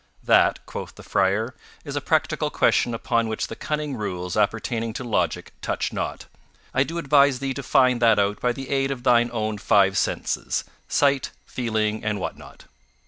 "That," quoth the Friar, "is a practical question upon which the cunning rules appertaining to logic touch not. I do advise thee to find that out by the aid of thine own five senses; sight, feeling, and what not."